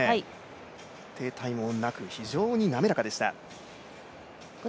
停滞もなく非常に滑らかでした。